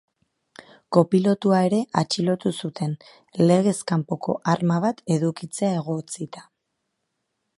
Kopilotua ere atxilotu zuten, legez kanpoko arma bat edukitzea egotzita.